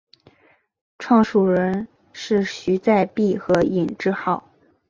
创始人是徐载弼和尹致昊。